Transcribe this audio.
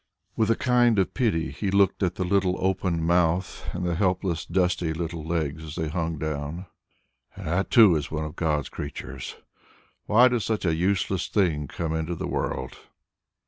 With a kind of pity he looked at the little open mouth and the helpless dusty little legs as they hung down. "And that, too, is one of God's creatures! Why does such a useless thing come into the world?"